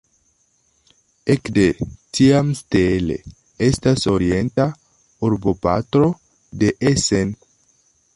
Ekde tiam Steele estas orienta urboparto de Essen.